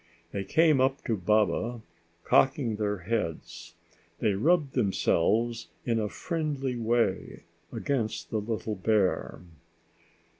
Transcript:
They came up to Baba, cocking their heads. They rubbed themselves in a friendly way against the little bear.